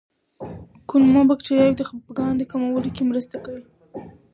کولمو بکتریاوې د خپګان د کمولو کې مرسته کوي.